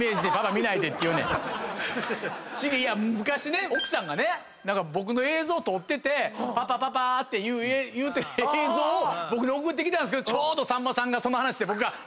昔ね奥さんがね何か僕の映像を撮ってて「パパパパ」って言うてる映像を僕に送ってきたんですけどちょうどさんまさんがその話して僕がワシやないかい！